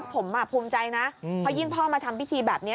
ผมภูมิใจนะเพราะยิ่งพ่อมาทำพิธีแบบนี้